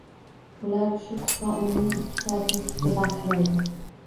Ular shu qisqa umrining ikki soatini sizga bag’ishlaydi